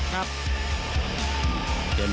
นี่